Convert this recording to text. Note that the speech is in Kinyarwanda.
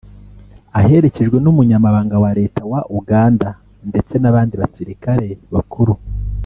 aherekejwe n’umunyamabanga wa Leta wa Uganda ndetse n’abandi basirikare bakuru